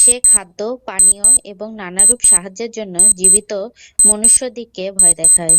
সে খাদ্য, পানীয় এবং নানারূপ সাহায্যের জন্য জীবিত মনুষ্যদিগকে ভয় দেখায়।